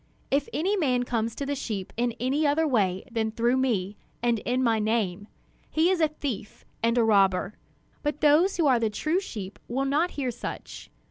If any man comes to the sheep in any other way than through me and in my name, he is a thief and a robber; but those who are the true sheep will not hear such.